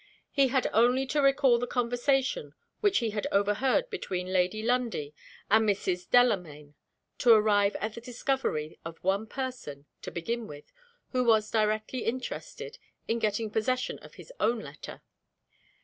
He had only to recall the conversation which he had overheard between Lady Lundie and Mrs. Delamayn to arrive at the discovery of one person, to begin with, who was directly interested in getting possession of his own letter.